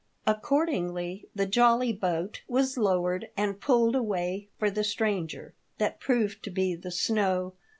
Accordingly the jolly boat was lowered and pulled away for the stranger, that proved to be the snow.